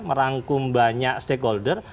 merangkum banyak stakeholder